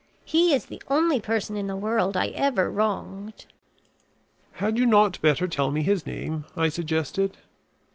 He is the only person in the world I ever wronged." "Had you not better tell me his name?" I suggested.